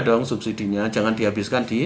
dong subsidinya jangan dihabiskan di